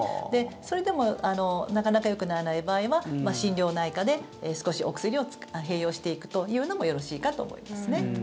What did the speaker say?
それでもなかなかよくならない場合は心療内科で少しお薬を併用していくというのもよろしいかと思いますね。